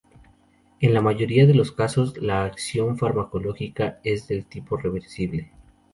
En la mayoría de los casos la acción farmacológica es del tipo reversible.